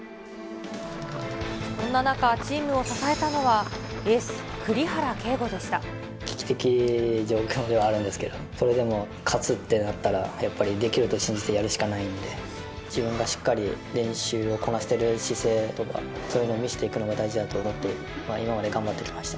そんな中、チームを支えたのは、エース、危機的状況ではあるんですけど、それでも勝つってなったら、やっぱりできると信じてやるしかないんで、自分がしっかり練習をこなしてる姿勢とか、そういうのを見せていくのが大事だと思って今まで頑張ってきました。